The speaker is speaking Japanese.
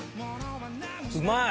うまい！